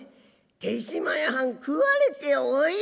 豊島屋はん食われておいでだ」。